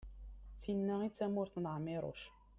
d tin-a i d tamurt n ԑmiruc